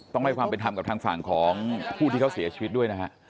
ต้องให้ความเป็นธรรมกับทางฝั่งของผู้ที่เขาเสียชีวิตด้วยนะฮะ